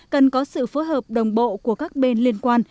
cần có sự phối hợp đồng bộ của các bên liên quan